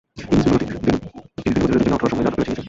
Innings ভিন্ন গতির হলেও দুজনই আউট হওয়ার সময় যাদবকেই বেছে নিয়েছেন।